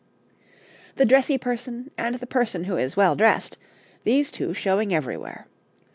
The dressy person and the person who is well dressed these two showing everywhere.